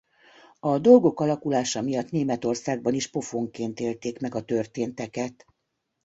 A dolgok alakulása miatt Németországban is pofonként élték meg a történteket.